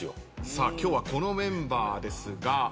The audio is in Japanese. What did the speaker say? さあ今日はこのメンバーですが。